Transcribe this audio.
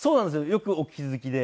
よくお気付きで。